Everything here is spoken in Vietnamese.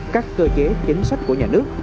các cơ chế chính sách của nhà nước